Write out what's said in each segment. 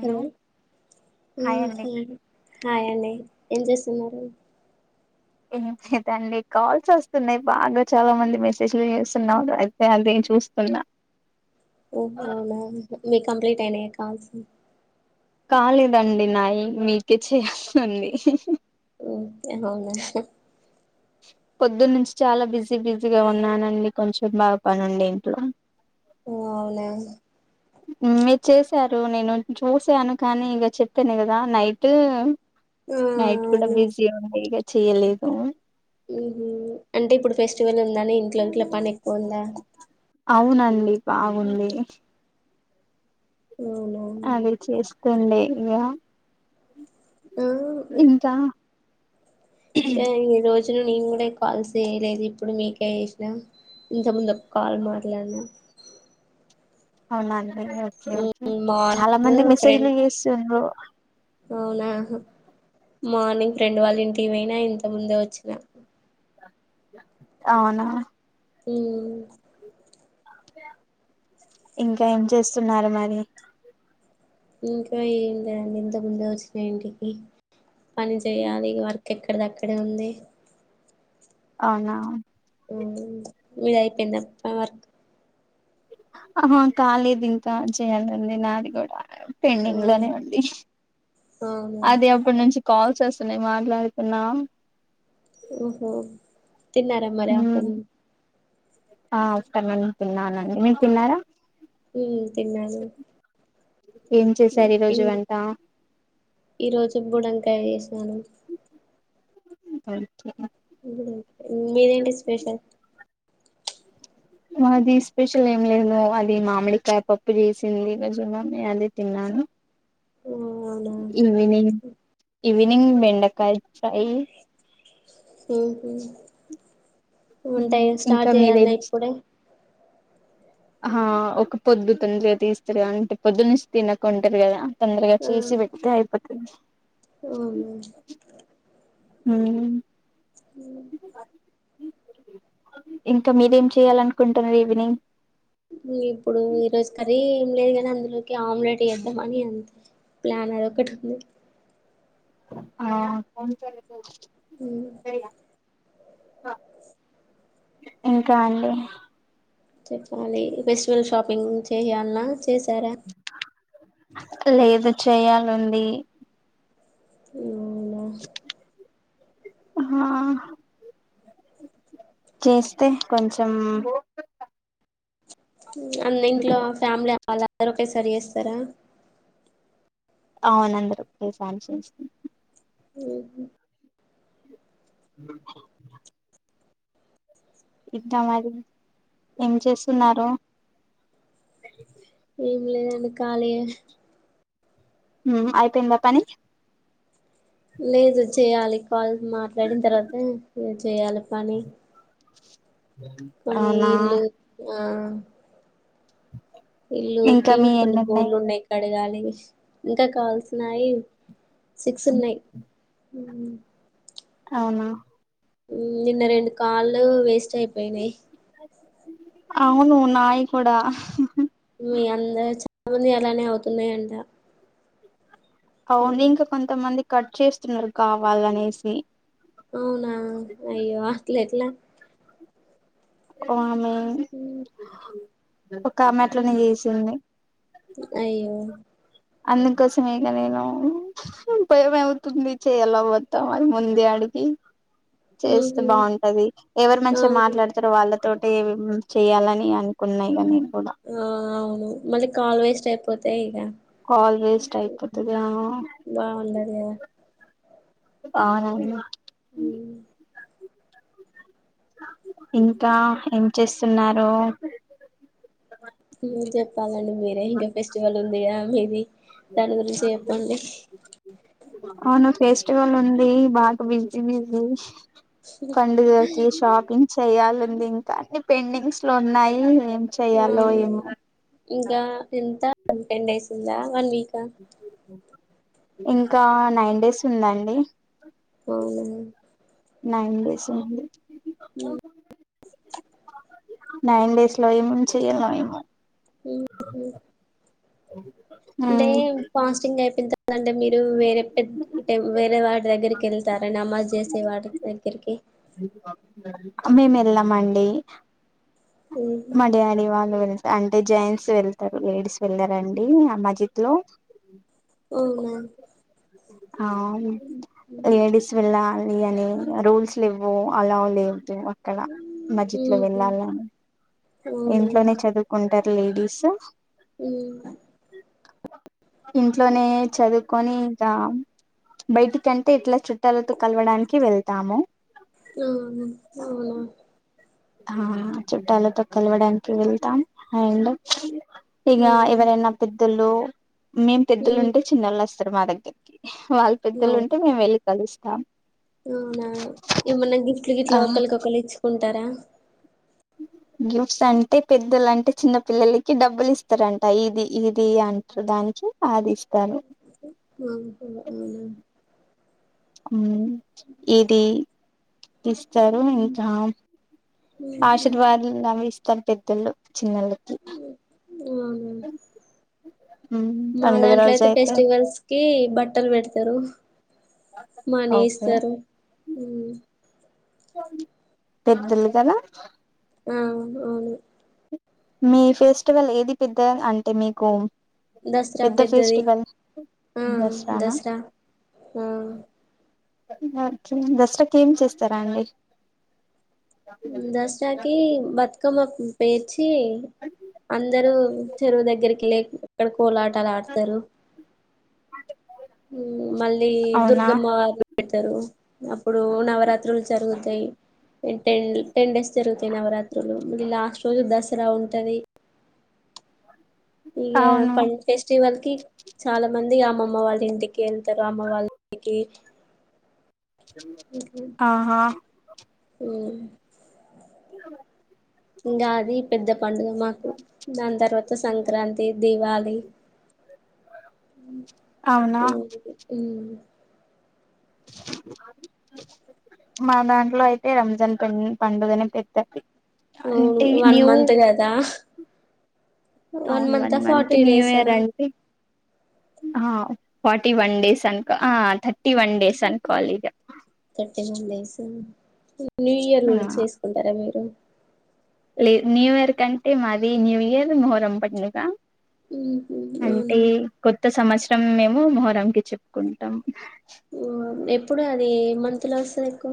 Hello hi అండి ఆహ్ hi అండి ఏం చేస్తున్నారూ ఎమిటి లేదండీ కాల్స్ వస్తున్నాయి బాగా చాలా మంది మెసేజ్లు చేస్తున్నారు అయితే అదే చూస్తున్నా ఓ బొనాంజా మీవి కంప్లీట్ అయినా కాల్స్ కాలేదండి నాయి మీకే చేయాల్సి ఉంది ఉ ఏమోనే ఆహ్ పొద్దున్న నుంచి చాలా బిజీ బిజీగా ఉన్నానండి కొంచెం బాగా పని ఉండే ఇంట్లో ఓ అవున మీరు చేసారు నేను చూసాను కానీ ఇగ చెప్పను కదా నైటు నైట్ కూడా అవును బీసీయే ఉండే ఇగ చేయలేదు మ్మ్ హ్మ్ అంటే ఇప్పుడు ఫెస్టివల్ ఉందని ఇంట్లో గిట్ల పని ఎక్కువ ఉందా అవునండి బాగుంది అవున కోండి ఎగ ఆ ఇంత ఇంక ఎన్ని రోజ్ క్చ్చుల్గా నేను కూడా ఈ కాల్స్ చేయలేదు ఇప్పుడు మీకే చేసినా ఇంతకముందు ఒక కాల్ మాట్లాడినా అవునా ఏ ఓకే ఓకే ఉమ్, చాలా మార్నింగ్ మంది ఫ్రెండ్ మెసేజ్లు చేస్తుండ్రు అవునా మార్నింగ్ ఫ్రెండ్ వాళ్ళ ఇంటికి ఒయినా ఇంత ముందే వచ్చిన అవునా ఊ ఇంకా ఏం చేస్తున్నారు మరి ఇంకా ఏంటండి ఇంత ముందే వచ్చినా ఇంటికి పని చేయాలి వర్క్ ఎక్కడిదక్కడే ఉంది అవునా ఊ నీదయిపోయిందమ వర్కు ఆహా కాలేదు ఇంకా చేయాలండి నాది కూడా పెండింగ్ అవును లోనే ఉంది అవునా అది అప్పటి నుంచి కాల్ చేస్తున్నాయి మాట్లాడుతున్నా ఓహో తిన్నారా మరి మ్మ్ ఆఫ్టర్నూన్ ఆ అస్తననే తిన్నానండి మీరు తిన్నారా ఊ తిన్నాను ఏం చేశారు ఈ రోజు వంట ఈ రోజు బుడంకాయ చేస్ నను ఐతే మీదేంటి స్పెషల్ మాది స్పెషల్ ఏం లేదు అది మామిడికాయ పప్పు చేసింది రజున నే అది తిన్నాను ఆ అవునా ఈవినింగ్ ఈవినింగ్ బెండకాయ ఫ్రై ఉహు ఉంటాయి ఉమ్, స్టార్ట్ చేయాల్నా ఇప్పుడే ఆ ఒక పొద్దు తొందరగా తీస్తారుగా అంటే పొద్దు నుంచి తినకుండ ఉంటరు కదా తొందరగా ఆ చేసి పెట్టితే అయి అతే అవునా హ్మ్ హ్ ఇంకా మీరేం చేయాలనుకుంటున్రు ఈవినింగ్ ఇగ ఇప్పుడు ఈ రోజు కర్రీ ఏం లేదు కని అందులోకి ఆమ్లెట్ ఏద్దామని అంతే ప్లాన్ అది ఒకటి ఉంది ఆ చేయిరా ఇంకా అండి చెప్పాలి ఫెస్టివల్ షాపింగ్ చేయాల్న చేశారా లేదు చేయాలండి ఉ అవునా ఆ చేస్తే కొంచెం అన్నింఇంట్లో ఫ్యామిలీ అవాల మరొకే సారి చేస్తారా అవును అందరూ [unintelligible] ఉహు ఇట్టా మరి ఏం చేస్తున్నారు ఏం లేదు ఖాళీయే హు అయిపోయిందా పని లేదు చేయాలి కాల్స్ మాట్లాడిన తర్వాత చేయాల పని కొన్ని అవునా ఇల్లు ఆ ఇల్లు ఇంకా కి మీ కొన్ని ఎన్నున్నాయి బోళ్లు ఉన్నాయి కడగాలి ఇస్ ఇంకా కాల్స్ నాయి సిక్స్ ఉన్నాయి ఉమ్ అవునా హు నిన్న రెండు కాళ్లు వేస్ట్ అయిపోయినాయి అవును నాయి కూడా మీ అందరు చాలా మంది అలానే అవుతున్నాయంట అవును ఇంకా కొంత మందికి కట్ చేస్తున్నారు కావాలనేసి అవునా అయ్యో అట్లేట్లా కాల్ ఆ హు ఒక ఆమె అట్లనే చేసింది అయ్యో అందుకోసమ ఇగ నేను భయం అవుతుంది చెయ్యాలా వద్దా మరి ముందే అడిగి చేస్తే ఉహు బాగుంటది ఎవరు మంచిగా అవును మాట్లాడతారో వాళ్ళతో ఏమేమ్ చేయాలని అనుకున్నా ఇగ నేను కూడా ఆ అవును మళ్లీ కాల్ వేస్ట్ అయిపోతయి ఇగ కాల్ వేస్ట్ అయిపోత ఏమో బాగుండదు కదా అవునంమా హు ఇంకా ఏం చేస్తున్నారు చెప్పాలండి మీరే ఇంకా ఫెస్టివల్ ఉందిగా మీది దాని గురించి చెప్పండి అవును ఫెస్టివల్ ఉంది బాగా బిజీ బిజీ పండుగకి షాపింగ్ చెయాలండి ఇంకా అన్ని పెండింగ్స్ లో ఉన్నాయి ఏం చెయ్యాలో హ్మ్ ఏమో ఇంకా ఎంత టెన్ డేస్ ఉందా వన్ వీకా ఇంకా నైన్ డేస్ ఉందండి అవునా నైన్ డేస్ ఉంది హ్మ్ నైన్ డేస్ లో ఏమేం చేయాలో ఏమో ఉహు అ అంటే ఫాస్టింగ్ అయిపోయిన్ త అంటే మీరు వేర పెత్ టెమ్ వేరే వాడి దగ్గర్కెల్తే అరె నమాజ్ చేసే వాడి దగ్గరికి మేం ఎళ్ళమండి ఉహు మా డాడీ వాళ్ళు వె అంటే జెంట్స్ వెళ్తరు లేడీస్ వెళ్ళరండి ఆ మజీద్లో అవునా ఆ లేడీస్ వెళ్ళా ఈ అన్నీ రూల్స్లు లెవ్వు అలా లేవ్ డ్రీమ్ అక్కడ మజీద్లొ ఉహు వెళ్ళాలని అవునా ఇంట్లోనే చదువుకుం టారు లేడీస్ ఉహ్ ఇంట్లోనే చదువుకొని ఇంక బయటికంటే ఇట్లా చుట్టాలతో కలవడానికి వెళ్తాము ఆహా అవునా ఆ చుట్టాలతో కలవడానికి వెళ్తాం అండ్ ఇగ ఉ ఇవరన్న పెద్దోళ్ళు మేం పెద్దోళ్ ఉంటే చిన్నోలస్ మా దగ్గర్కి వాళ్ళ ఉ పెద్దలు ఉంటే మేం వెల్ కలుస్తాం అవునా ఏమన్నా గిఫ్ట్లు ఆ గిట్లా ఒకలి ఒకలు ఇచ్చుకుం త్తర గిఫ్ట్స్ అంటే పెద్దోలంటే చిన్న పిల్లలకి డబ్బుల్ ఇస్తారంట. ఈది ఇది అంటరు దానికి అది ఇస్ ఆహా అవునా మ్ ఏది ఇస్తరు ఇంకా ఉహు ఆశీర్వాదు అవి ఇస్ కని పెద్దోళ్ళు చిన్నోళ్లకి అవునా మ్ పండగ రోజయితే కీ బట్టలు పెడతరు. మనీ ఓకే ఇస్తారు హ్ పెద్దోళ్ళు కదా ఆ అవును అవును మీ ఫెస్టివల్ ఏది పెద్ద అంటే మీకు దసరా పెద్ద పెద్దది ఫెస్టివల్ ఆ దసరానా దసరా ఆ ఓకే దసరాకి ఏం చేస్తారా అండి ఉమ్ దసరాకి భతు కమ్మకు పేర్చి అందరూ చెరువు దగ్గరికి లేకి ఇక్కడకు పోలాటలు ఆడతారు మళ్ళీ అవునా దుర్గమ్మ వారు పెడతారు అప్పుడు నవరాత్రులు జరుగుతాయి టెన్ టెన్ డేస్ జరుగుతాయి నవరాత్రులు మరి లాస్ట్ రోజు దసరా ఉంటది ఇగ అవును పం ఫెస్టివల్ కి చాలా మంది అమ్మమ్మ వాళ్ళ ఇంటికి ఎళ్తారు అమ్మ వాళ్ళ ఇంటికి ఆహా ఆ ఇంకా అది పెద్ద పండుగ మాకు దాని తర్వాత సంక్రాంతి, దీవాలి అవునా మ్ మా దాంట్లో అయితే రంజాన్ పండుగనే పెద్దది అవును అంటే వన్ న్యూ మంత్ కదా అవును వన్ మంత్ న్యూ యరా అండి ఫార్టీ వన్ డేస్ అనుకో ఆహ థర్టీ వన్ డేస్ అనుకోవాలి ఇగ ఏముందే సు న్యూ ఇయర్ ఆ గూడా చేసుకుంటారా మీరు లే న్యూ ఇయర్ కంటే మాది న్యూ ఇయర్ మొహరం పండుగ ఊహూ అంటే అవునా కొత్త సంవత్సరం మేము మొహరం కి చెప్పుకుంటాం ఓ ఎప్పుడు అది ఏ మంత్ లో వస్తది ఎక్కువ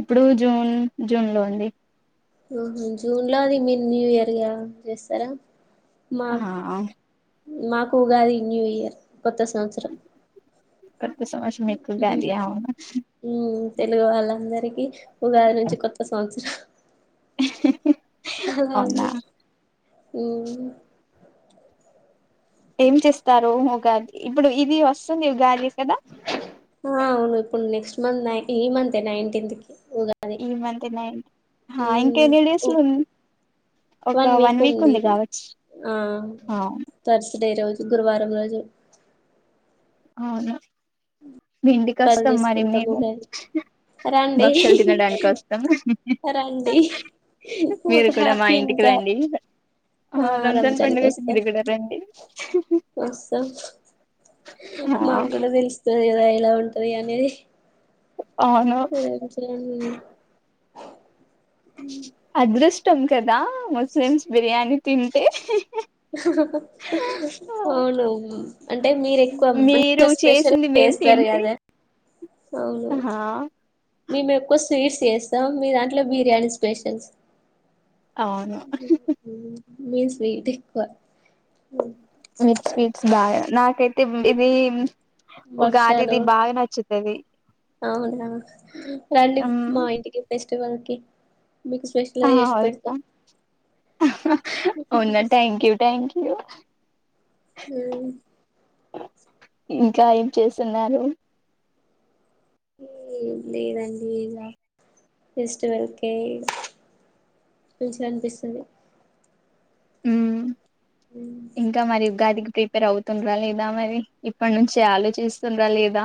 ఇప్పుడు జూన్ జూన్ లో అండి ఆహ జూన్ లో అది మీరు న్యూ ఇయర్ గా చేస్తారా మా ఆహా ఆ మాకు ఉగాది న్యూ ఇయర్ కొత్త సంవత్సరం కొత్త సంవత్సరం మీకు ఉగాది అవునా తెలుగు వాళ్ళందరికీ ఉగాది నుంచి కొత్త సంవత్సరం చ్ చాలా అందుకే హూ ఏం చేస్తారు ఉగాది ఇప్పుడు ఇది వస్తుంది ఉగాది కదా ఆ అవును ఇప్పుడు నెక్స్ట్ మంత్ నై ఈ మంతే నైన్ టీంత్ కి ఉగాది ఈ మంత్ నై ఇంక మ్మ్ ఎన్ని డేస్ ఓ లో ఉన్ ఒక వన్ వీక్ ఉంది కావచ్చు డే రోజు గురువారం రోజు అవును మీ ఇంటికి పనులు వస్తాం మరి చేసుకుంటాం మేము ఉగాది రండి భక్షలు తినడానికి వస్తాం రండి మీరు మాకు కూడా మా హ్యాపీ ఇంటికి ఇంకా రండి ఆ రంజాన్ కి పండుగకి వస్తాం మీరు కూడా రండి ఆ మాక్కూడ తెలుసు మీ దగ్గర ఎలా ఉం తనియాన్నిది అవును మ్మ్ అసలు మీ అదృస్ టొం కదా ముస్లిమ్స్ బిర్యానీ తింటే అవును అంటే మీరు ఎక్కువ మీరు మంచిగా స్పెషల్ చేసింది మేము చేస్తారు తింటే కదా అవును ఆహా మేము ఎక్కువ స్వీట్స్ చేస్తాం మీ దాంట్లో బిర్యానీ స్పెషల్స్ అవును మీమ్ స్వీట్ ఎక్కువ మీక్ స్వీట్స్ బాగా నాకైతే మ్మ్ ఇది ఉగాది భక్షాలు ది బాగా నచ్చు అది అవునా రండి మా ఇంటికి ఉప్పేస్ ట్వెల్వ్ కి మీకు స్పెషల్ ఆ గా చేసి పెడతా వాద్దాం అవునా థాంక్యూ థాంక్ హాలో మ్మ్ ఇంకా ఏం చేసున్నారు లేదండి ఇలా ఫెస్టివల్ కే మంచిగా అనిపిస్తుంది మ్మ్ ఇంకా మరి ఉగాది ప్రిపేర్ అవుతుండరా లేదా మరి ఇప్పడ్ నుంచి ఆలోచిస్తుండరా లేదా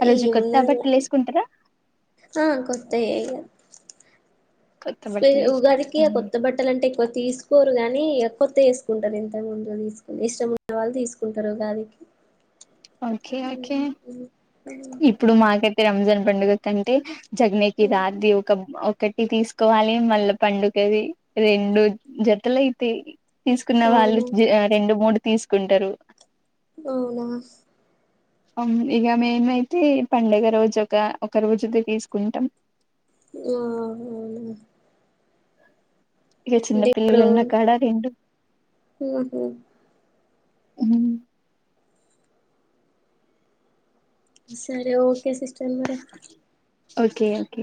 ఆ రోజు కొత్త ఏమున్నది బట్టలు అలా. ఏసుకుంటారా ఆ కొత్త వే కొత్త బట్టలు ఇగా ఉగాదికి వేసుకుంటారా కొత్త బట్టలు అంటే కొ తీసుకోరు గాని ఎక్కువత్తే వేసుకుంటారు ఇంతకు ముందు తీసుకుని ఇష్టమన్న వాళ్ళు తీసుకుంటారు ఉగాది కి ఓకే ఓకే ఇప్పుడు మాక్ కైతే రంజాన్ పండుగ అంటే. చెగనేకి అవునా రాత్రి ఒక ఓ ఒకటి తీసుకోవాలి మళ్ళా పండుగది రెండు జతలైతే తీసుకున్న వాళ్ళు జు రెండు మూడు తీసుకుంటారు అవునా ఇక మేమైతే పండుగ రోజు ఒక ఒక రోజు ది తీసుకుంటాం ఆ అవునా ఇక చిన్నపిల్లలు ఉన్న కాడ తింటు మ్మ్ హ్మ్ మ్మ్ సరే ఓకే సిస్టర్ మరే ఓకే ఓకే